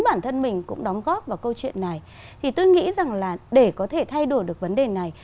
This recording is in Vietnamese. bản thân mình cũng đóng góp vào câu chuyện này thì tôi nghĩ rằng là để có thể thay đổi được vấn đề này